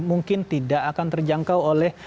mungkin tidak akan terjangkau oleh